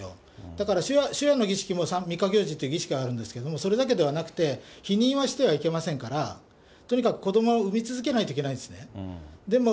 だから初夜の儀式もみっかぎょうじという儀式があって、それだけではなくて、避妊はしてはいけませんから、とにかく子どもを産み続けないといけないんですね。